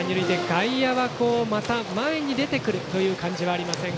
外野はまた前に出てくるという感じはありません。